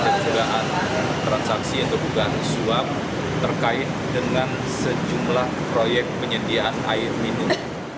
jadi juga transaksi untuk dugaan suap terkait dengan sejumlah proyek penyediaan air minum